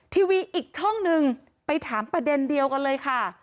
ทีวีอีกช่องหนึ่งไปถามประเด็นเดียวกันเลยค่ะ